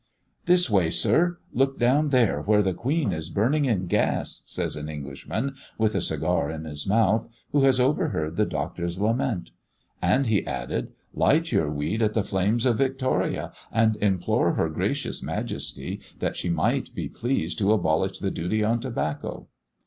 "This way, sir! Look down there where the Queen is burning in gas," says an Englishman, with a cigar in his mouth, who has overheard the Doctor's lament. And he added "Light your weed at the flames of Victoria, and implore Her Gracious Majesty that she may be pleased to abolish the duty on tobacco."